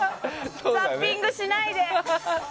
ザッピングしないで。